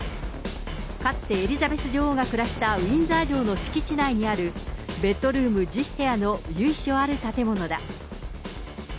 かつてエリザベス女王が暮らしたウィンザー城の敷地内にあるベッドルーム１０部屋の由緒ある建物だ。